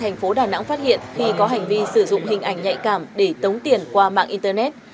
bị công an thành phố đà nẵng phát hiện khi có hành vi sử dụng hình ảnh nhạy cảm để tống tiền qua mạng internet